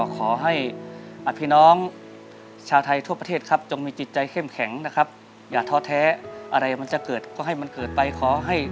ขอให้พี่น้องชาวไทยทั่วประเทศครับจงมีจิตใจเข้มแข็งนะครับอย่าท้อแท้อะไรมันจะเกิดก็ให้มันเกิดไปขอให้